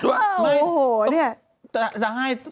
จะให้ต่อเมื่อพี่เมียเอาน้องเขยเอาคนไปแนะนำตัว